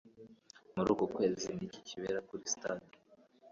Muri uku kwezi ni iki kibera kuri sitade?